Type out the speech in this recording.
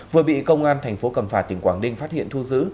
vừa bị công an thành phố cầm phà tỉnh quảng đinh phát hiện thu giữ